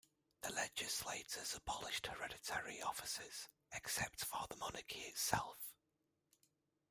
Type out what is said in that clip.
The legislators abolished hereditary offices, except for the monarchy itself.